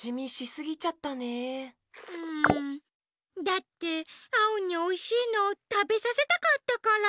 だってアオにおいしいのたべさせたかったから。